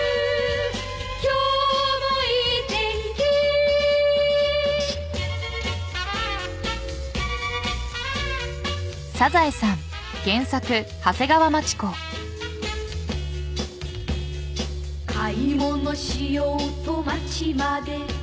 「今日もいい天気」「買い物しようと街まで」